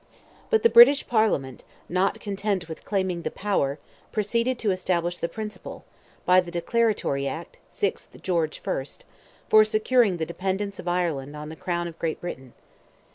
But the British Parliament, not content with claiming the power, proceeded to establish the principle, by the declaratory act—6th George I.—for securing the dependence of Ireland on the crown of Great Britain.